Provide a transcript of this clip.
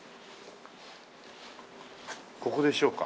ここでしょうか？